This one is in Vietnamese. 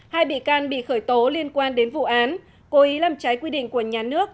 hai bị can bị khởi tố liên quan đến vụ án cố ý làm trái quy định của nhà nước